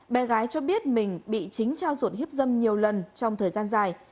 bé gái cho biết mình bị chính trao ruột hiếp dâm nhiều lần trong thời gian dài